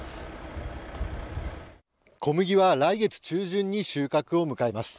小麦は来月中旬に収穫を迎えます。